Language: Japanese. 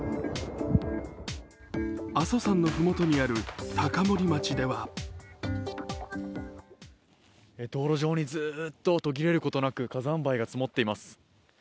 阿蘇山の麓にある高森町では道路中にずっと途切れることなく火山灰が積もっています。